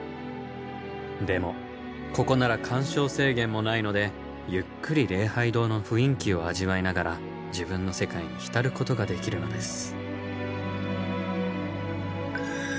でもここなら鑑賞制限もないのでゆっくり礼拝堂の雰囲気を味わいながら自分の世界に浸ることができるのです。